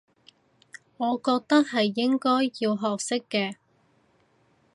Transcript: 我覺得係應該要學識嘅